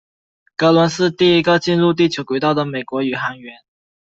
格伦是第一个进入地球轨道的美国宇航员。